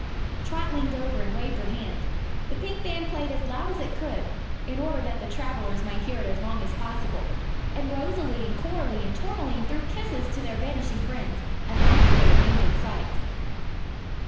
Trot leaned over and waved her hand. The Pink Band played as loud as it could in order that the travelers might hear it as long as possible and Rosalie and Coralie and Tourmaline threw kisses to their vanishing friends as long as they remained in sight.